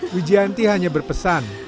wijianti hanya berpesan